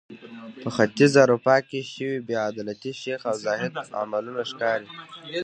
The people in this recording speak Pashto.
په ختیځه اروپا کې شوې بې عدالتۍ شیخ او زاهد عملونه ښکاري.